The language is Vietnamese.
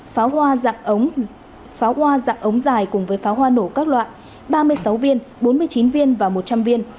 pháo hoa dạng ống dài cùng với pháo hoa nổ các loại ba mươi sáu viên bốn mươi chín viên và một trăm linh viên